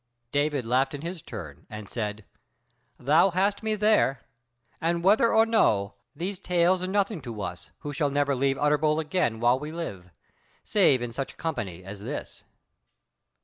David laughed in his turn and said: "Thou hast me there; and whether or no, these tales are nothing to us, who shall never leave Utterbol again while we live, save in such a company as this."